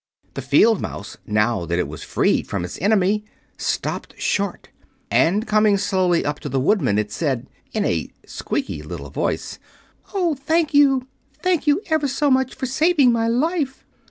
The field mouse, now that it was freed from its enemy, stopped short; and coming slowly up to the Woodman it said, in a squeaky little voice: "Oh, thank you! Thank you ever so much for saving my life."